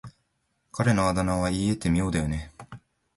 彼のあだ名は言い得て妙だよね。